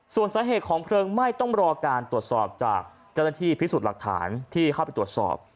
ส่วนสาเหตุของเพลิงไหม้ต้องรอการตรวจสอบจากเจ้าหน้าที่พิสูจน์หลักฐานที่เข้าไปตรวจสอบ